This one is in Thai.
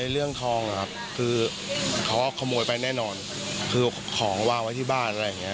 เรื่องทองนะครับคือเขาขโมยไปแน่นอนคือของวางไว้ที่บ้านอะไรอย่างนี้